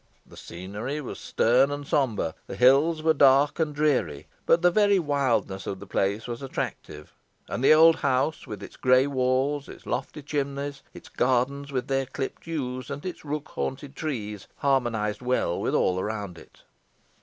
The scenery was stern and sombre, the hills were dark and dreary; but the very wildness of the place was attractive, and the old house, with its grey walls, its lofty chimneys, its gardens with their clipped yews, and its rook haunted trees, harmonised well with all around it.